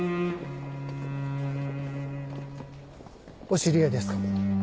お知り合いですか？